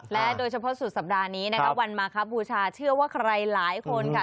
และโดยเฉพาะสุดสัปดาห์นี้นะคะวันมาครับบูชาเชื่อว่าใครหลายคนค่ะ